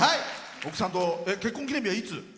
奥さんと、結婚記念日はいつ？